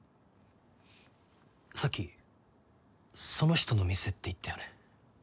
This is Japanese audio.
さっきその人の店って言ったよね？